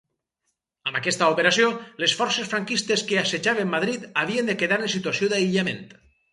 Amb aquesta operació, les forces franquistes que assetjaven Madrid havien de quedar en situació d'aïllament.